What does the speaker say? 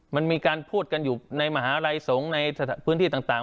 มันมีการพูดกันอยู่ในมหาลัยสงฆ์ในพื้นที่ต่าง